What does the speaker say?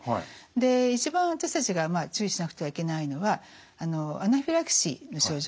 一番私たちが注意しなくてはいけないのはアナフィラキシーの症状